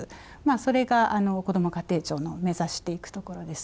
それがこども家庭庁の目指していくところです。